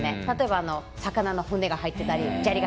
例えば魚の骨が入ってたり。